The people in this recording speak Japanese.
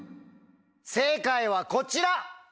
正解はこちら！